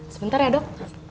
sebentar ya dok